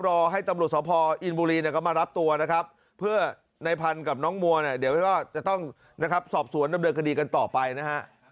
รอให้ตำรวจสพออินบุรีเนี่ยก็มารับตัวนะครับเพื่อในพันธุ์กับน้องมัวเนี่ยเดี๋ยวก็จะต้องนะครับสอบสวนดำเนินคดีกันต่อไปนะฮะ